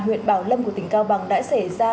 huyện bảo lâm của tỉnh cao bằng đã xảy ra